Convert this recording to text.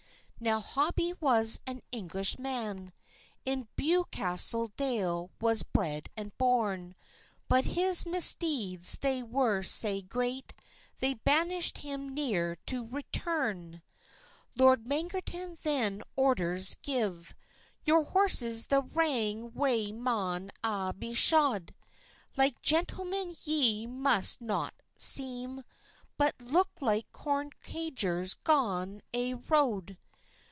Now, Hobie was an English man, In Bewcastle dale was bred and born; But his misdeeds they were sae great, They banished him neer to return. Lord Mangerton then orders gave,— "Your horses the wrang way maun a' be shod; Like gentlemen ye must not seem, But look like corn caugers gawn ae road.